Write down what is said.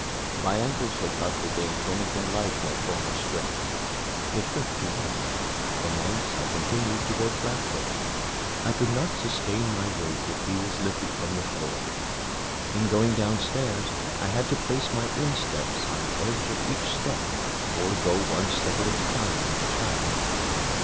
My ankles had not regained anything like their former strength. It hurt to walk. For months I continued to go flat footed. I could not sustain my weight with heels lifted from the floor. In going downstairs I had to place my insteps on the edge of each step, or go one step at a time, like a child.